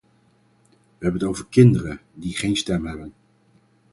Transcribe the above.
We hebben het over kinderen, die geen stem hebben.